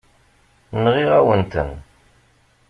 Nɣiɣ-awen-ten.